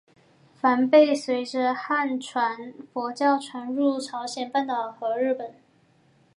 梵呗随着汉传佛教传入朝鲜半岛和日本。